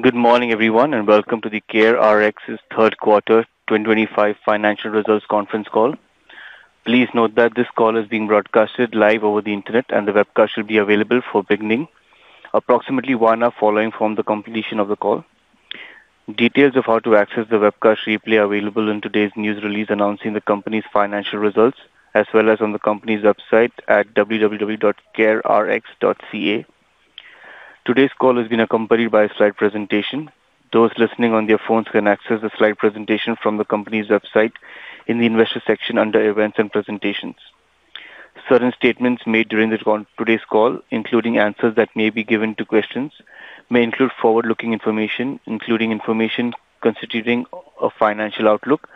Good morning, everyone, and welcome to CareRx's third quarter 2025 financial results conference call. Please note that this call is being broadcast live over the internet, and the webcast should be available for beginning approximately one hour following the completion of the call. Details of how to access the webcast replay are available in today's news release announcing the company's financial results, as well as on the company's website at www.CareRx.ca. Today's call has been accompanied by a slide presentation. Those listening on their phones can access the slide presentation from the company's website in the investor section under Events and Presentations. Certain statements made during today's call, including answers that may be given to questions, may include forward-looking information, including information considering a financial outlook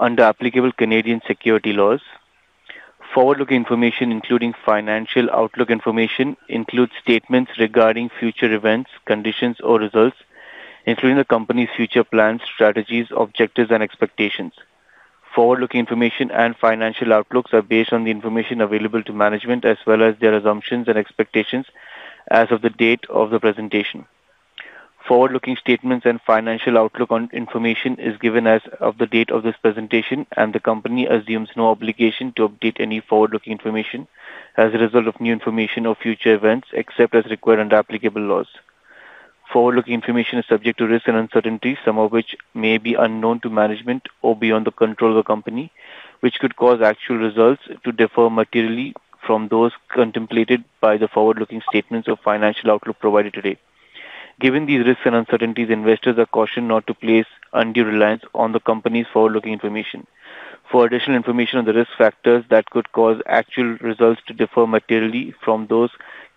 under applicable Canadian security laws. Forward-looking information, including financial outlook information, includes statements regarding future events, conditions, or results, including the company's future plans, strategies, objectives, and expectations. Forward-looking information and financial outlooks are based on the information available to management, as well as their assumptions and expectations as of the date of the presentation. Forward-looking statements and financial outlook information are given as of the date of this presentation, and the company assumes no obligation to update any forward-looking information as a result of new information or future events, except as required under applicable laws. Forward-looking information is subject to risk and uncertainty, some of which may be unknown to management or beyond the control of the company, which could cause actual results to differ materially from those contemplated by the forward-looking statements or financial outlook provided today. Given these risks and uncertainties, investors are cautioned not to place undue reliance on the company's forward-looking information. For additional information on the risk factors that could cause actual results to differ materially from those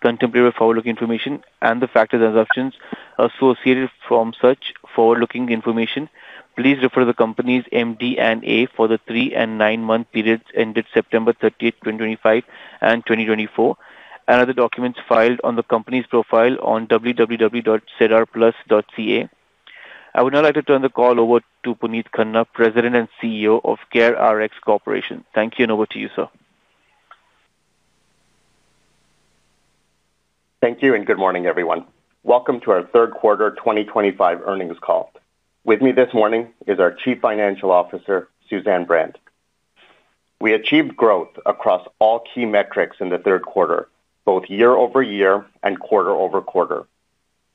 contemplated by forward-looking information and the factors and assumptions associated with such forward-looking information, please refer to the company's MD&A for the three and nine-month periods ended September 30th, 2025, and 2024, and other documents filed on the company's profile on www.SEDARplus.ca. I would now like to turn the call over to Puneet Khanna, President and CEO of CareRx Corporation. Thank you, and over to you, sir. Thank you, and good morning, everyone. Welcome to our third quarter 2025 earnings call. With me this morning is our Chief Financial Officer, Suzanne Brand. We achieved growth across all key metrics in the third quarter, both year-over-year and quarter-over-quarter.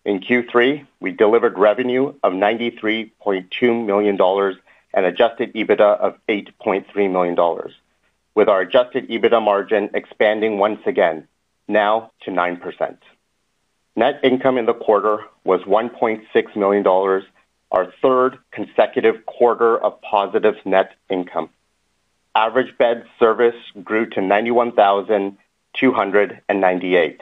In Q3, we delivered revenue of 93.2 million dollars and an Adjusted EBITDA of 8.3 million dollars, with our Adjusted EBITDA margin expanding once again, now to 9%. Net income in the quarter was 1.6 million dollars, our third consecutive quarter of positive net income. Average bed service grew to 91,298.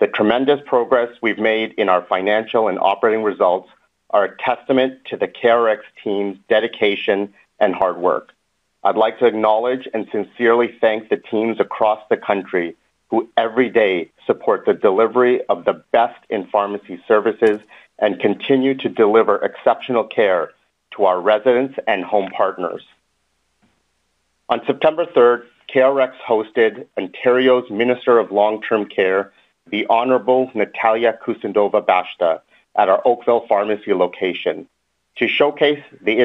The tremendous progress we've made in our financial and operating results is a testament to the CareRx team's dedication and hard work. I'd like to acknowledge and sincerely thank the teams across the country who every day support the delivery of the best in pharmacy services and continue to deliver exceptional care to our residents and home partners. On September 3rd, CareRx hosted Ontario's Minister of Long-Term Care, the Honourable Natalia Kusundova-Bashta, at our Oakville pharmacy location to showcase the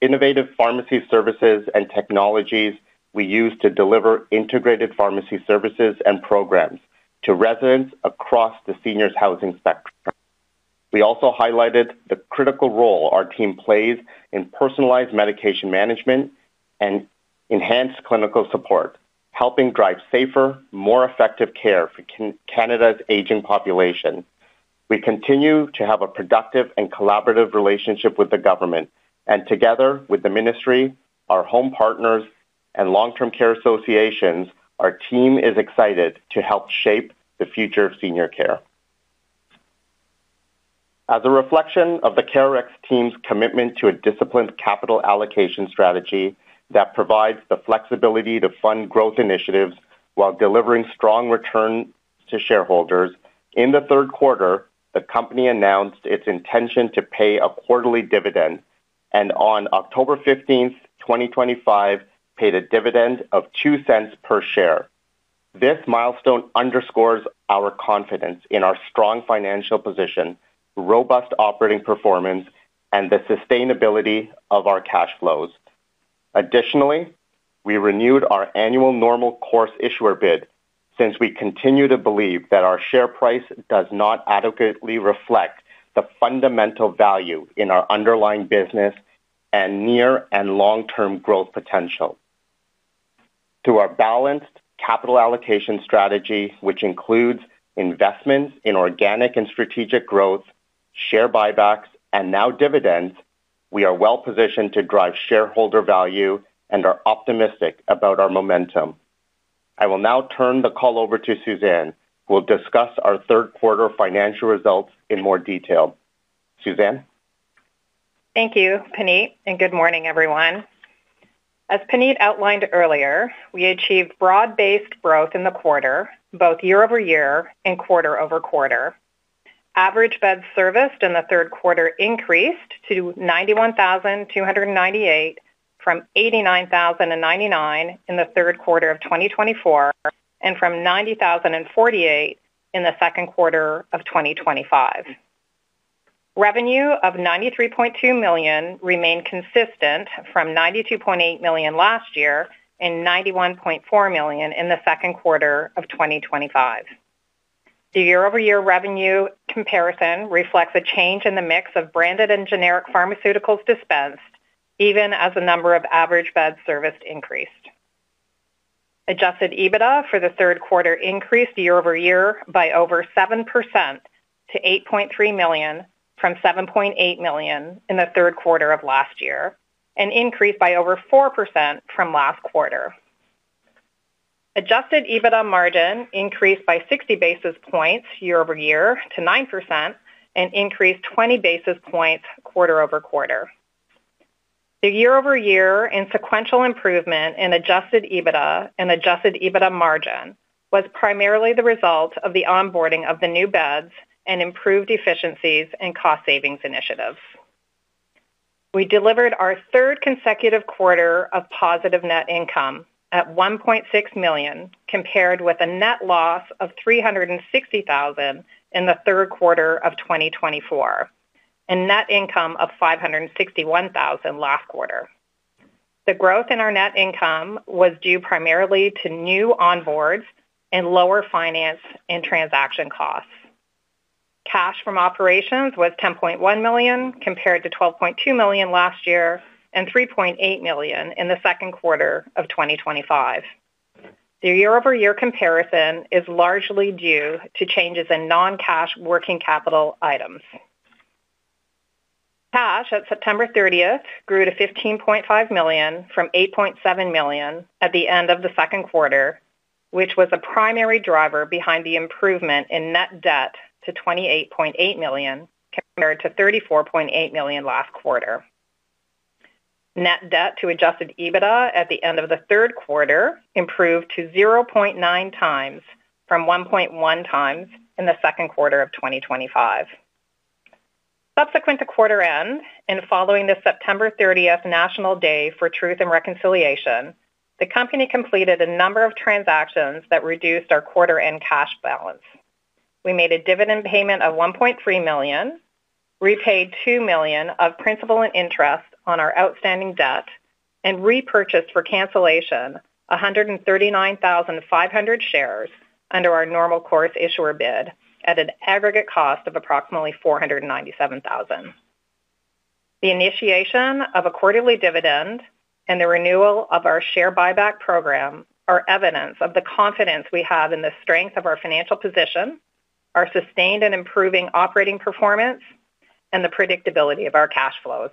innovative pharmacy services and technologies we use to deliver integrated pharmacy services and programs to residents across the seniors' housing spectrum. We also highlighted the critical role our team plays in personalized medication management and enhanced clinical support, helping drive safer, more effective care for Canada's aging population. We continue to have a productive and collaborative relationship with the government, and together with the ministry, our home partners, and long-term care associations, our team is excited to help shape the future of senior care. As a reflection of the CareRx team's commitment to a disciplined capital allocation strategy that provides the flexibility to fund growth initiatives while delivering strong returns to shareholders, in the third quarter, the company announced its intention to pay a quarterly dividend and, on October 15th, 2025, paid a dividend of 0.02 per share. This milestone underscores our confidence in our strong financial position, robust operating performance, and the sustainability of our cash flows. Additionally, we renewed our annual normal course issuer bid since we continue to believe that our share price does not adequately reflect the fundamental value in our underlying business and near and long-term growth potential. Through our balanced capital allocation strategy, which includes investments in organic and strategic growth, share buybacks, and now dividends, we are well positioned to drive shareholder value and are optimistic about our momentum. I will now turn the call over to Suzanne, who will discuss our third quarter financial results in more detail. Suzanne. Thank you, Puneet, and good morning, everyone. As Puneet outlined earlier, we achieved broad-based growth in the quarter, both year-over-year and quarter-over-quarter. Average beds serviced in the third quarter increased to 91,298 from 89,099 in the third quarter of 2024 and from 90,048 in the second quarter of 2025. Revenue of 93.2 million remained consistent from 92.8 million last year and 91.4 million in the second quarter of 2025. The year-over-year revenue comparison reflects a change in the mix of branded and generic pharmaceuticals dispensed, even as the number of average beds serviced increased. Adjusted EBITDA for the third quarter increased year-over-year by over 7% to 8.3 million from 7.8 million in the third quarter of last year, an increase by over 4% from last quarter. Adjusted EBITDA margin increased by 60 basis points year-over-year to 9% and increased 20 basis points quarter-over-quarter. The year-over-year and sequential improvement in Adjusted EBITDA and Adjusted EBITDA margin was primarily the result of the onboarding of the new beds and improved efficiencies and cost savings initiatives. We delivered our third consecutive quarter of positive net income at 1.6 million compared with a net loss of 360,000 in the third quarter of 2024. Net income of 561,000 last quarter. The growth in our net income was due primarily to new onboards and lower finance and transaction costs. Cash from operations was 10.1 million compared to 12.2 million last year and 3.8 million in the second quarter of 2025. The year-over-year comparison is largely due to changes in non-cash working capital items. Cash at September 30th grew to 15.5 million from 8.7 million at the end of the second quarter, which was a primary driver behind the improvement in net debt to 28.8 million compared to 34.8 million last quarter. Net debt to Adjusted EBITDA at the end of the third quarter improved to 0.9x from 1.1x in the second quarter of 2025. Subsequent to quarter-end and following the September 30 National Day for Truth and Reconciliation, the company completed a number of transactions that reduced our quarter-end cash balance. We made a dividend payment of 1.3 million, repaid 2 million of principal and interest on our outstanding debt, and repurchased for cancellation 139,500 shares under our normal course issuer bid at an aggregate cost of approximately 497,000. The initiation of a quarterly dividend and the renewal of our share buyback program are evidence of the confidence we have in the strength of our financial position. Our sustained and improving operating performance, and the predictability of our cash flows.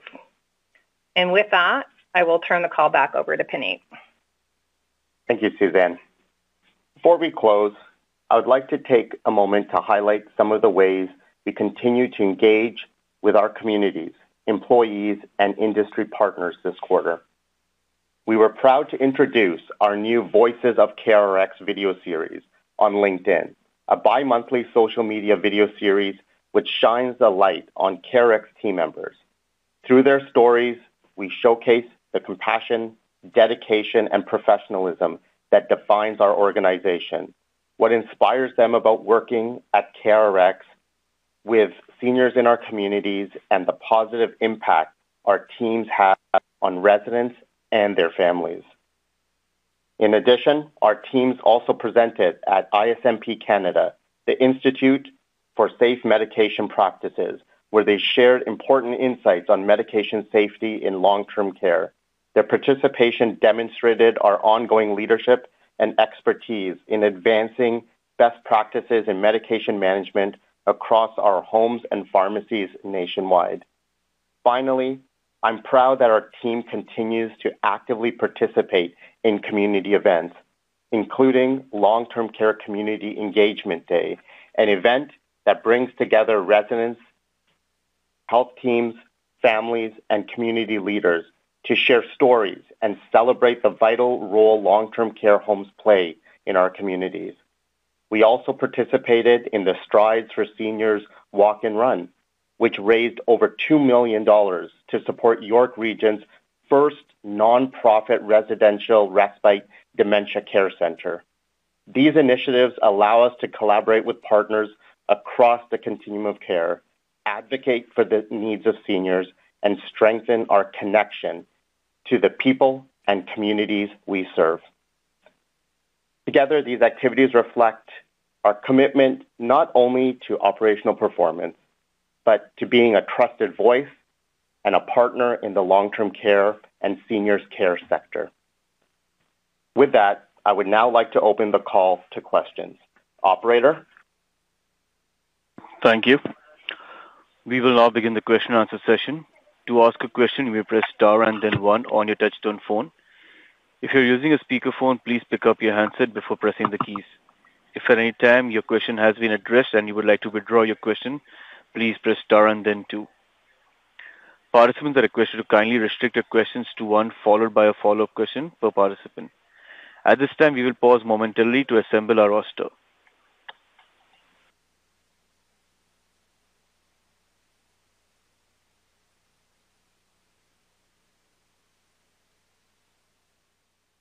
With that, I will turn the call back over to Puneet. Thank you, Suzanne. Before we close, I would like to take a moment to highlight some of the ways we continue to engage with our communities, employees, and industry partners this quarter. We were proud to introduce our new Voices of CareRx video series on LinkedIn, a bi-monthly social media video series which shines the light on CareRx team members. Through their stories, we showcase the compassion, dedication, and professionalism that defines our organization, what inspires them about working at CareRx with seniors in our communities, and the positive impact our teams have on residents and their families. In addition, our teams also presented at ISMP Canada, the Institute for Safe Medication Practices, where they shared important insights on medication safety in long-term care. Their participation demonstrated our ongoing leadership and expertise in advancing best practices in medication management across our homes and pharmacies nationwide. Finally, I'm proud that our team continues to actively participate in community events, including Long-Term Care Community Engagement Day, an event that brings together residents, health teams, families, and community leaders to share stories and celebrate the vital role long-term care homes play in our communities. We also participated in the Strides for Seniors Walk and Run, which raised over 2 million dollars to support York Region's first nonprofit residential respite dementia care center. These initiatives allow us to collaborate with partners across the continuum of care, advocate for the needs of seniors, and strengthen our connection to the people and communities we serve. Together, these activities reflect our commitment not only to operational performance but to being a trusted voice and a partner in the long-term care and seniors' care sector. With that, I would now like to open the call to questions. Operator. Thank you. We will now begin the question-and-answer session. To ask a question, you may press Star and then One on your touchstone phone. If you're using a speakerphone, please pick up your handset before pressing the keys. If at any time your question has been addressed and you would like to withdraw your question, please press Star and then Two. Participants are requested to kindly restrict their questions to one followed by a follow-up question per participant. At this time, we will pause momentarily to assemble our roster.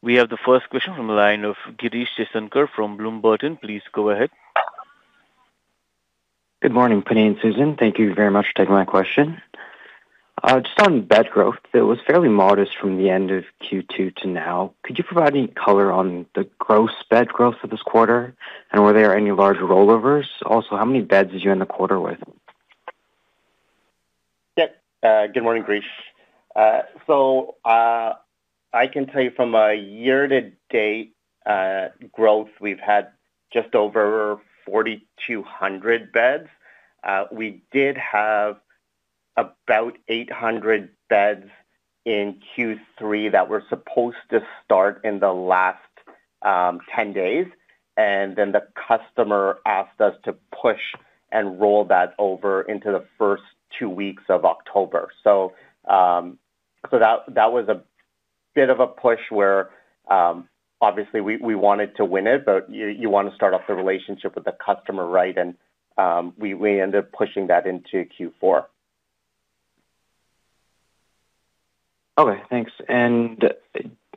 We have the first question from the line of Gireesh Seesankar from Bloom Burton. Please go ahead. Good morning, Puneet and Suzanne. Thank you very much for taking my question. Just on bed growth, it was fairly modest from the end of Q2 to now. Could you provide any color on the gross bed growth for this quarter, and were there any large rollovers? Also, how many beds did you end the quarter with? Yep. Good morning, Gireesh. I can tell you from a year-to-date growth, we've had just over 4,200 beds. We did have about 800 beds in Q3 that were supposed to start in the last 10 days, and then the customer asked us to push and roll that over into the first two weeks of October. That was a bit of a push where, obviously, we wanted to win it, but you want to start off the relationship with the customer right, and we ended up pushing that into Q4. Okay. Thanks.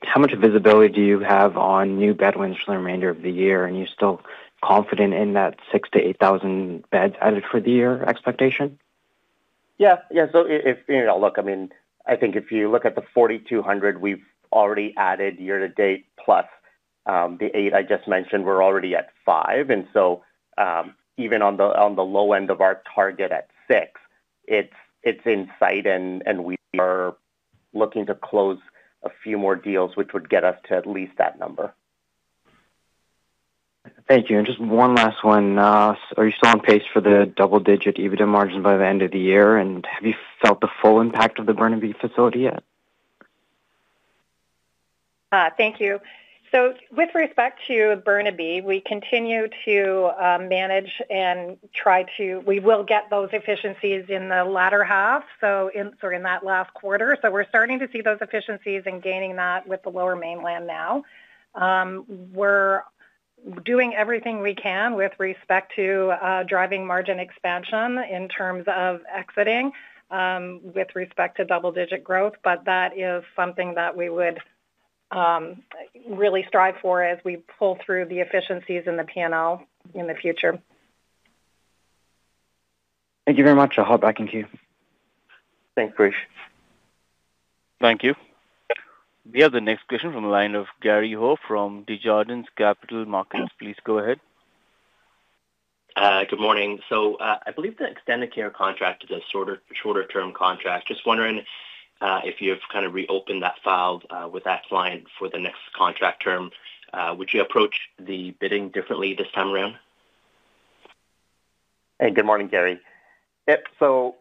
How much visibility do you have on new bed wins for the remainder of the year, and are you still confident in that 6,000 - 8,000 beds added for the year expectation? Yeah. Yeah. If you look, I mean, I think if you look at the 4,200 we've already added year-to-date plus the eight I just mentioned, we're already at five. Even on the low end of our target at six, it's in sight, and we are looking to close a few more deals, which would get us to at least that number. Thank you. Just one last one. Are you still on pace for the double-digit EBITDA margin by the end of the year, and have you felt the full impact of the Burnaby facility yet? Thank you. With respect to Burnaby, we continue to manage and try to—we will get those efficiencies in the latter half, in that last quarter. We are starting to see those efficiencies and gaining that with the lower mainland now. We are doing everything we can with respect to driving margin expansion in terms of exiting. With respect to double-digit growth, that is something that we would really strive for as we pull through the efficiencies in the P&L in the future. Thank you very much. I'll hop back into you. Thanks, Gireesh. Thank you. We have the next question from the line of Gary Ho from Desjardins Capital Markets. Please go ahead. Good morning. I believe the extended care contract is a shorter-term contract. Just wondering if you've kind of reopened that file with that client for the next contract term. Would you approach the bidding differently this time around? Hey, good morning, Gary. Yep.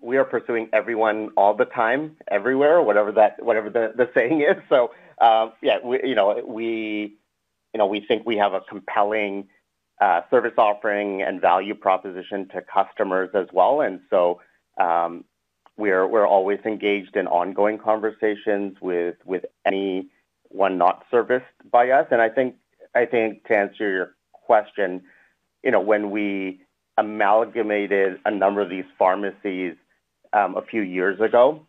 We are pursuing everyone all the time, everywhere, whatever the saying is. Yeah. We think we have a compelling service offering and value proposition to customers as well. We are always engaged in ongoing conversations with anyone not serviced by us. I think to answer your question, when we amalgamated a number of these pharmacies a few years ago,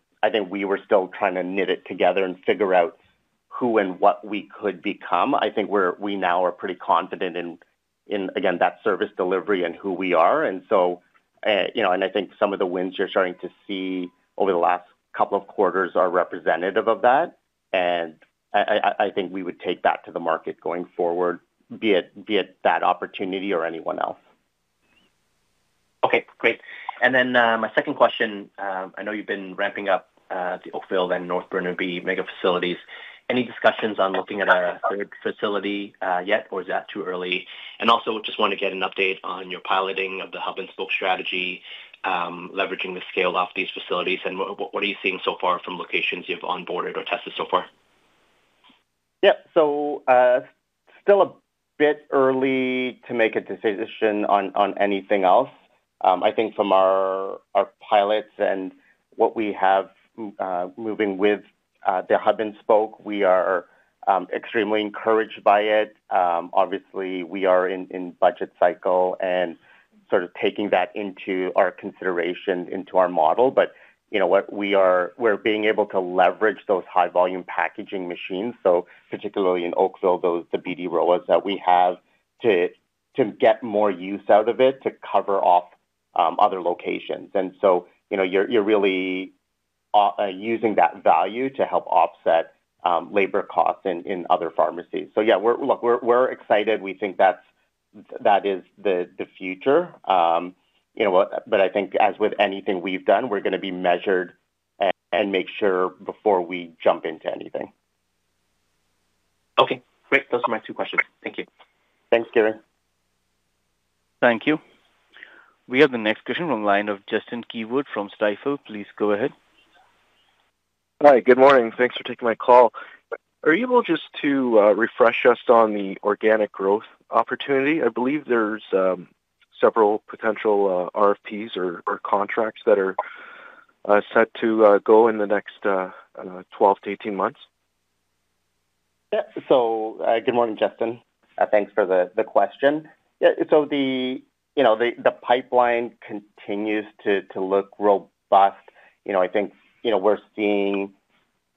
we were still trying to knit it together and figure out who and what we could become. I think we now are pretty confident in, again, that service delivery and who we are. I think some of the wins you are starting to see over the last couple of quarters are representative of that. I think we would take that to the market going forward, be it that opportunity or anyone else. Okay. Great. My second question, I know you've been ramping up the Oakville and North Burnaby mega facilities. Any discussions on looking at a third facility yet, or is that too early? I also just want to get an update on your piloting of the hub-and-spoke strategy, leveraging the scale of these facilities. What are you seeing so far from locations you've onboarded or tested so far? Yep. Still a bit early to make a decision on anything else. I think from our pilots and what we have, moving with the hub-and-spoke, we are extremely encouraged by it. Obviously, we are in budget cycle and sort of taking that into our consideration, into our model. We are being able to leverage those high-volume packaging machines, so particularly in Oakville, the BD ROAS that we have, to get more use out of it to cover off other locations. You are really using that value to help offset labor costs in other pharmacies. Yeah, look, we are excited. We think that is the future. I think as with anything we have done, we are going to be measured and make sure before we jump into anything. Okay. Great. Those are my two questions. Thank you. Thanks, Gary. Thank you. We have the next question from the line of Justin Keyword from Stifel. Please go ahead. Hi. Good morning. Thanks for taking my call. Are you able just to refresh us on the organic growth opportunity? I believe there's several potential RFPs or contracts that are set to go in the next 12 - 18 months. Good morning, Justin. Thanks for the question. Yeah. The pipeline continues to look robust. I think we're seeing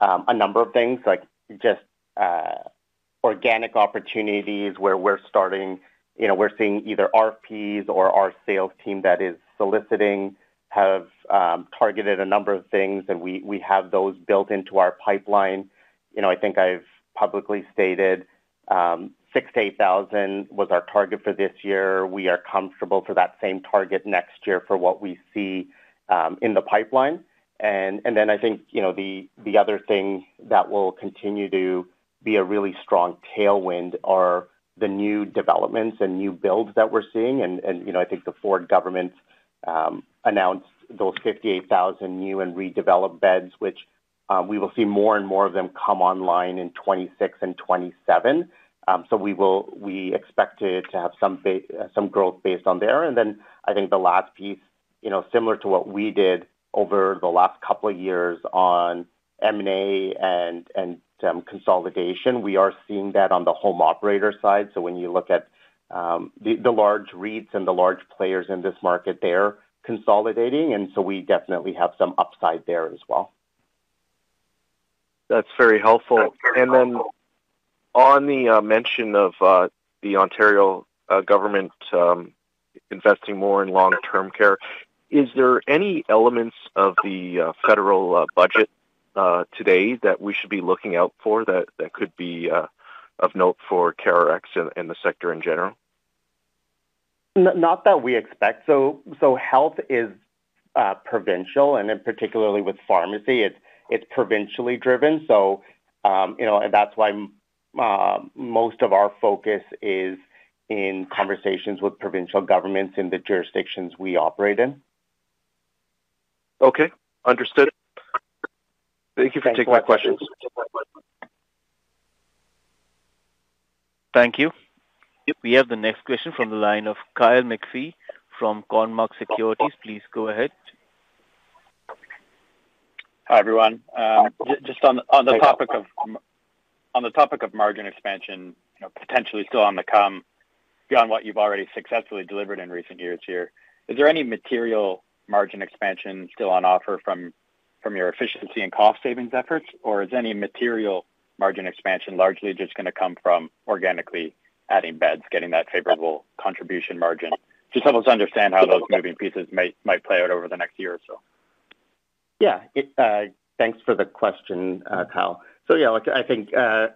a number of things like just organic opportunities where we're starting—we're seeing either RFPs or our sales team that is soliciting have targeted a number of things, and we have those built into our pipeline. I think I've publicly stated 6,000 - 8,000 was our target for this year. We are comfortable for that same target next year for what we see in the pipeline. I think the other thing that will continue to be a really strong tailwind are the new developments and new builds that we're seeing. I think the Ford government announced those 58,000 new and redeveloped beds, which we will see more and more of them come online in 2026 and 2027. We expect to have some growth based on there. I think the last piece, similar to what we did over the last couple of years on M&A and consolidation, we are seeing that on the home operator side. When you look at the large REITs and the large players in this market, they're consolidating, and we definitely have some upside there as well. That's very helpful. On the mention of the Ontario government investing more in long-term care, is there any elements of the federal budget today that we should be looking out for that could be of note for CareRx and the sector in general? Not that we expect. Health is provincial, and particularly with pharmacy, it's provincially driven. That's why most of our focus is in conversations with provincial governments in the jurisdictions we operate in. Okay. Understood. Thank you for taking my questions. Thank you. We have the next question from the line of Kyle McPhee from Cornmark Securities. Please go ahead. Hi, everyone. Just on the topic of margin expansion, potentially still on the come beyond what you've already successfully delivered in recent years here, is there any material margin expansion still on offer from your efficiency and cost-savings efforts, or is any material margin expansion largely just going to come from organically adding beds, getting that favorable contribution margin? Just help us understand how those moving pieces might play out over the next year or so. Yeah. Thanks for the question, Kyle. So yeah, look, I think a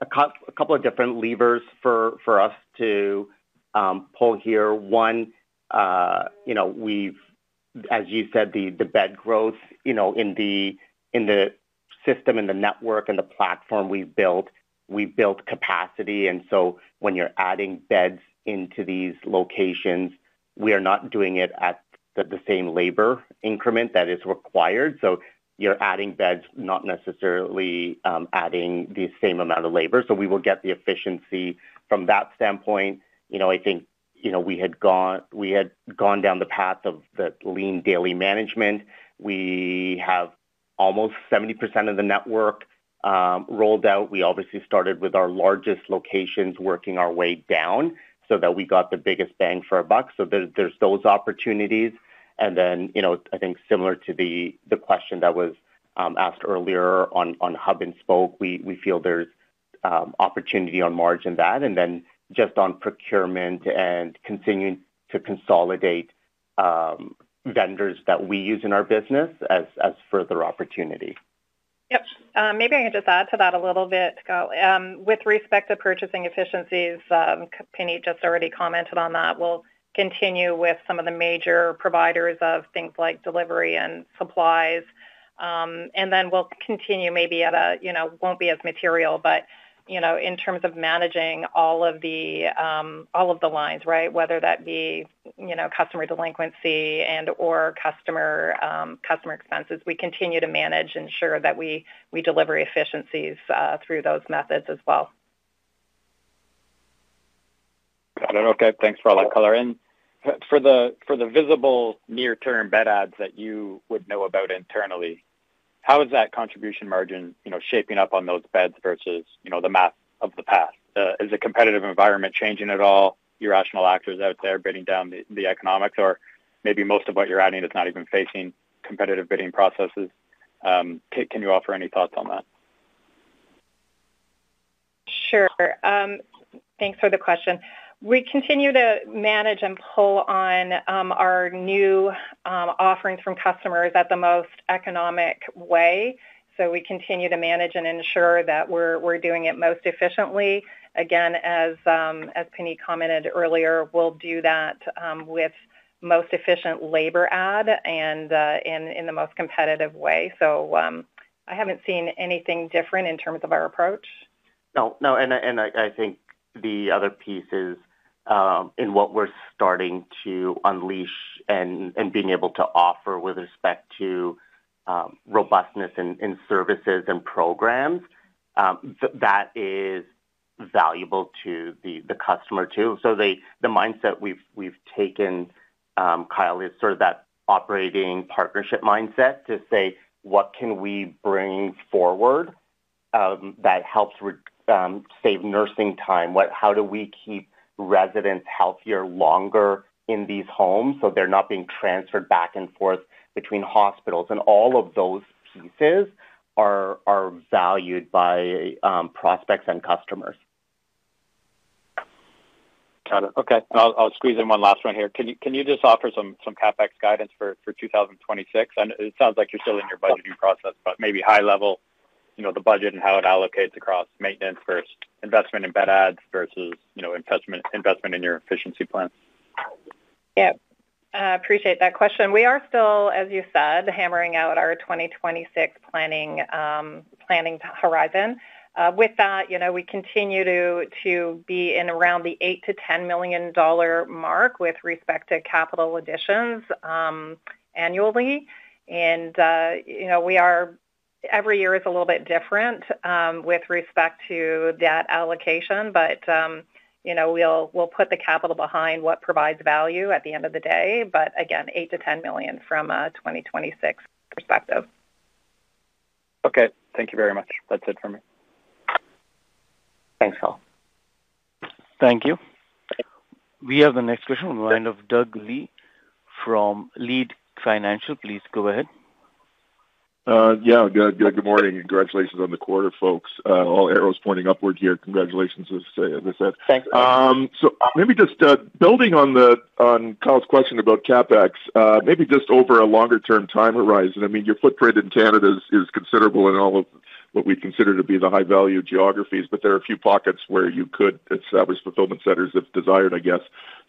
couple of different levers for us to pull here. One, as you said, the bed growth in the system, in the network, and the platform we've built, we've built capacity. And so when you're adding beds into these locations, we are not doing it at the same labor increment that is required. So you're adding beds, not necessarily adding the same amount of labor. So we will get the efficiency from that standpoint. I think we had gone down the path of the lean daily management. We have almost 70% of the network rolled out. We obviously started with our largest locations, working our way down so that we got the biggest bang for our buck. So there's those opportunities. And then I think similar to the question that was asked earlier on hub-and-spoke, we feel there's opportunity on margin that. And then just on procurement and continuing to consolidate vendors that we use in our business as further opportunity. Yep. Maybe I can just add to that a little bit, Kyle. With respect to purchasing efficiencies, Puneet just already commented on that. We'll continue with some of the major providers of things like delivery and supplies. We will continue, maybe it will not be as material, but in terms of managing all of the lines, right, whether that be customer delinquency and/or customer expenses, we continue to manage and ensure that we deliver efficiencies through those methods as well. Got it. Okay. Thanks for all that, color in. For the visible near-term bed adds that you would know about internally, how is that contribution margin shaping up on those beds versus the math of the past? Is the competitive environment changing at all? Irrational actors out there bidding down the economics, or maybe most of what you're adding is not even facing competitive bidding processes? Can you offer any thoughts on that? Sure. Thanks for the question. We continue to manage and pull on our new offerings from customers in the most economic way. We continue to manage and ensure that we're doing it most efficiently. Again, as Puneet commented earlier, we'll do that with the most efficient labor add and in the most competitive way. I have not seen anything different in terms of our approach. No. No. I think the other piece is, in what we're starting to unleash and being able to offer with respect to robustness in services and programs, that is valuable to the customer too. The mindset we've taken, Kyle, is sort of that operating partnership mindset to say, "What can we bring forward that helps save nursing time? How do we keep residents healthier longer in these homes so they're not being transferred back and forth between hospitals?" All of those pieces are valued by prospects and customers. Got it. Okay. I'll squeeze in one last one here. Can you just offer some CapEx guidance for 2026? It sounds like you're still in your budgeting process, but maybe high-level, the budget and how it allocates across maintenance versus investment in bed adds versus investment in your efficiency plan. Yep. I appreciate that question. We are still, as you said, hammering out our 2026 planning horizon. With that, we continue to be in around the 8 million-10 million dollar mark with respect to capital additions annually. Every year is a little bit different with respect to that allocation, but we will put the capital behind what provides value at the end of the day. Again, 8 million-10 million from a 2026 perspective. Okay. Thank you very much. That's it for me. Thanks, Kyle. Thank you. We have the next question from the line of Doug Loe from Leede Financial. Please go ahead. Yeah. Good morning. Congratulations on the quarter, folks. All arrows pointing upward here. Congratulations, as I said. Thanks. Maybe just building on Kyle's question about CapEx, maybe just over a longer-term time horizon. I mean, your footprint in Canada is considerable in all of what we consider to be the high-value geographies, but there are a few pockets where you could establish fulfillment centers if desired, I guess.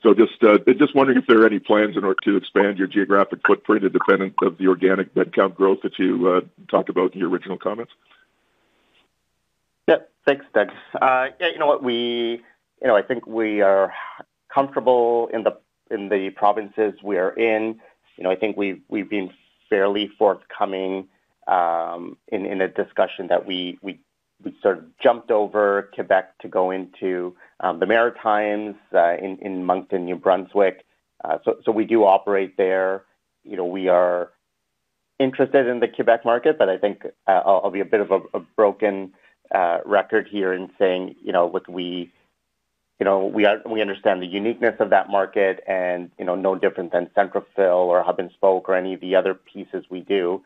Just wondering if there are any plans in order to expand your geographic footprint independent of the organic bed count growth that you talked about in your original comments. Yep. Thanks, Doug. You know what? I think we are comfortable in the provinces we are in. I think we've been fairly forthcoming. In a discussion that we sort of jumped over Quebec to go into the Maritimes in Moncton, New Brunswick. So we do operate there. We are interested in the Quebec market, but I think I'll be a bit of a broken record here in saying what we understand the uniqueness of that market and no different than Centrifill or hub-and-spoke or any of the other pieces we do.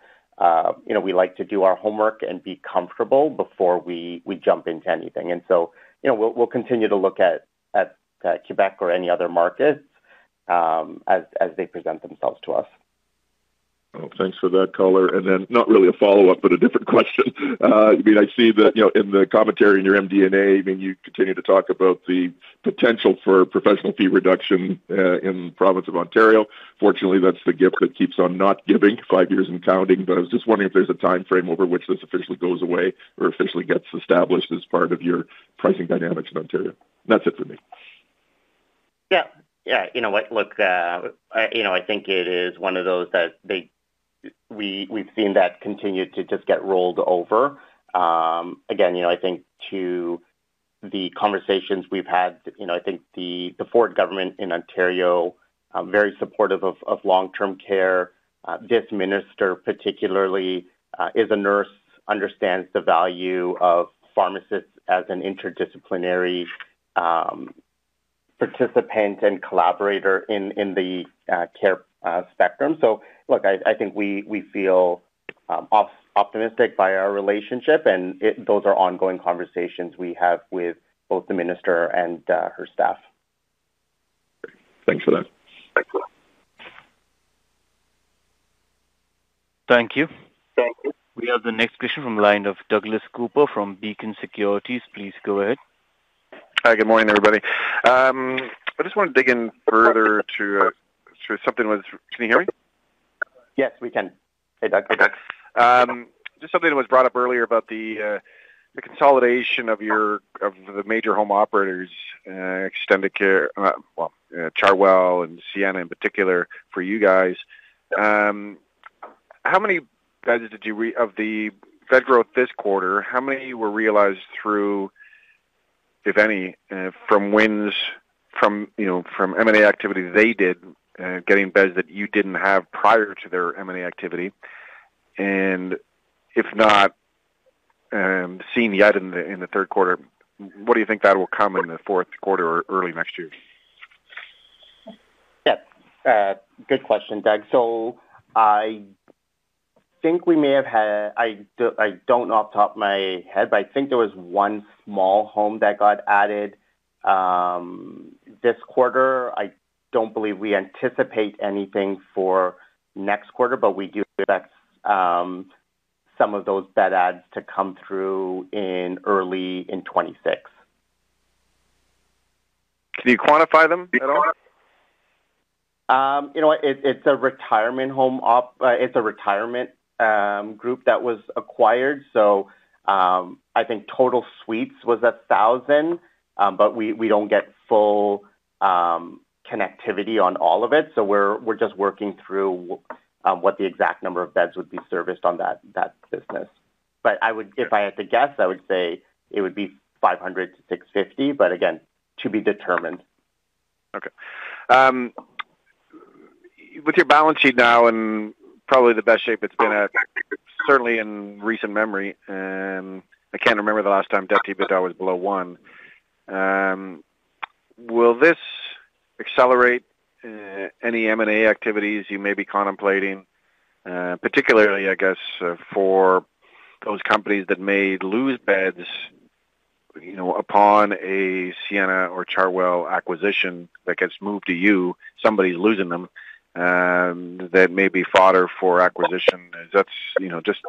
We like to do our homework and be comfortable before we jump into anything. We will continue to look at Quebec or any other markets as they present themselves to us. Thanks for that, color. Not really a follow-up, but a different question. I mean, I see that in the commentary in your MD&A, I mean, you continue to talk about the potential for professional fee reduction in the province of Ontario. Fortunately, that's the gift that keeps on not giving five years and counting. I was just wondering if there's a timeframe over which this officially goes away or officially gets established as part of your pricing dynamics in Ontario. That's it for me. Yeah. Yeah. You know what? Look. I think it is one of those that we've seen that continue to just get rolled over. Again, I think the conversations we've had, I think the Ford government in Ontario, very supportive of long-term care. This minister, particularly, is a nurse, understands the value of pharmacists as an interdisciplinary participant and collaborator in the care spectrum. Look, I think we feel optimistic by our relationship, and those are ongoing conversations we have with both the minister and her staff. Thanks for that. Thank you. Thank you. We have the next question from the line of Douglas Cooper from Beacon Securities. Please go ahead. Hi. Good morning, everybody. I just want to dig in further to something was—can you hear me? Yes, we can. Hey, Doug. Okay. Just something that was brought up earlier about the consolidation of the major home operators, Extendicare, Chartwell, and Sienna in particular, for you guys. How many beds did you—of the bed growth this quarter, how many were realized through, if any, from M&A activity they did, getting beds that you did not have prior to their M&A activity? If not seen yet in the third quarter, what do you think that will come in the fourth quarter or early next year? Yep. Good question, Doug. I think we may have had—I do not know off the top of my head, but I think there was one small home that got added this quarter. I do not believe we anticipate anything for next quarter, but we do expect some of those bed adds to come through early in 2026. Can you quantify them at all? You know what? It's a retirement home—it's a retirement group that was acquired. I think total suites was 1,000, but we don't get full connectivity on all of it. We're just working through what the exact number of beds would be serviced on that business. If I had to guess, I would say it would be 500 - 650, but again, to be determined. Okay. With your balance sheet now in probably the best shape it's been at, certainly in recent memory, and I can't remember the last time debt to EBITDA was below one. Will this accelerate any M&A activities you may be contemplating, particularly, I guess, for those companies that may lose beds upon a Sienna or Chartwell acquisition that gets moved to you, somebody's losing them, that may be fodder for acquisition? Just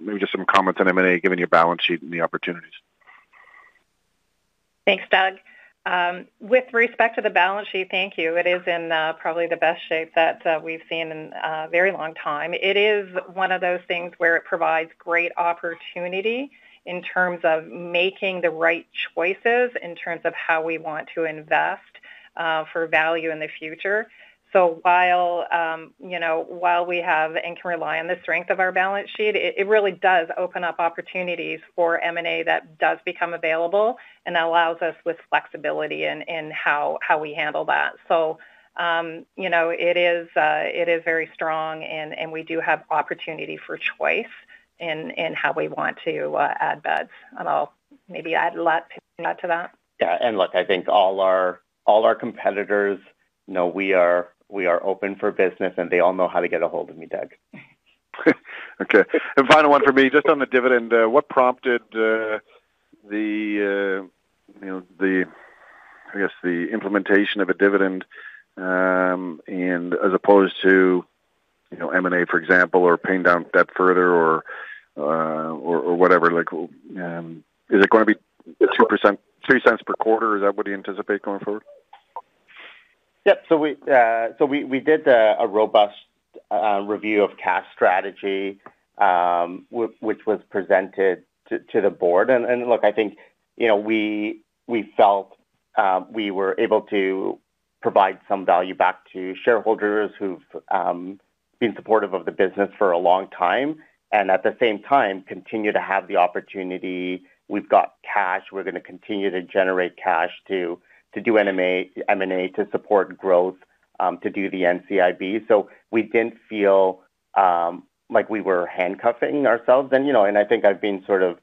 maybe just some comments on M&A, given your balance sheet and the opportunities. Thanks, Doug. With respect to the balance sheet, thank you. It is in probably the best shape that we've seen in a very long time. It is one of those things where it provides great opportunity in terms of making the right choices in terms of how we want to invest for value in the future. While we can rely on the strength of our balance sheet, it really does open up opportunities for M&A that does become available and allows us with flexibility in how we handle that. It is very strong, and we do have opportunity for choice in how we want to add beds. I'll maybe add a lot to that. Yeah. I think all our competitors, we are open for business, and they all know how to get ahold of me, Doug. Okay. Final one for me. Just on the dividend, what prompted the, I guess, the implementation of a dividend as opposed to M&A, for example, or paying down debt further or whatever? Is it going to be 0.02 per quarter? Is that what you anticipate going forward? Yep. We did a robust review of cash strategy, which was presented to the board. Look, I think we felt we were able to provide some value back to shareholders who've been supportive of the business for a long time and at the same time continue to have the opportunity. We've got cash. We're going to continue to generate cash to do M&A to support growth, to do the NCIB. We didn't feel like we were handcuffing ourselves. I think I've been sort of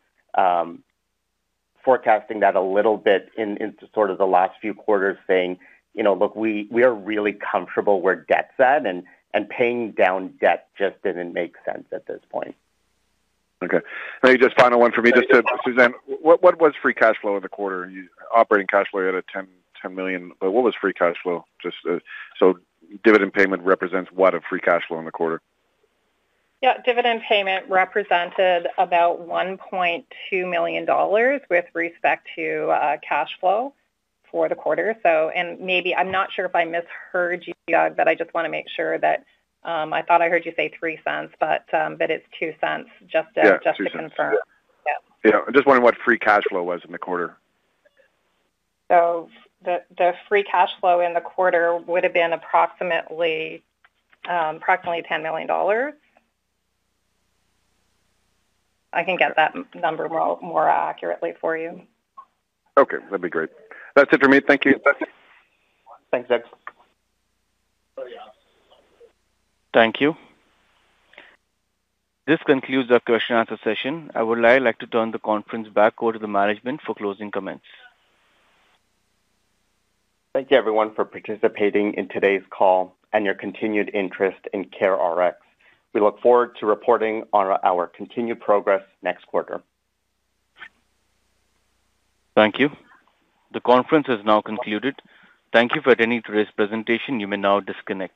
forecasting that a little bit into the last few quarters, saying, "Look, we are really comfortable where debt's at," and paying down debt just didn't make sense at this point. Okay. Maybe just final one for me. Just to, Suzanne, what was free cash flow in the quarter? Operating cash flow at 10 million, but what was free cash flow? Just so dividend payment represents what of free cash flow in the quarter? Yeah. Dividend payment represented about 1.2 million dollars with respect to cash flow for the quarter. Maybe I'm not sure if I misheard you, Doug, but I just want to make sure that I thought I heard you say 3 cents, but it's 2 cents just to confirm. Yeah. Just wondering what free cash flow was in the quarter. The free cash flow in the quarter would have been approximately CAD 10 million. I can get that number more accurately for you. Okay. That'd be great. That's it for me. Thank you. Thanks, Doug. Thank you. This concludes our question-and-answer session. I would like to turn the conference back over to the management for closing comments. Thank you, everyone, for participating in today's call and your continued interest in CareRx. We look forward to reporting on our continued progress next quarter. Thank you. The conference is now concluded. Thank you for attending today's presentation. You may now disconnect.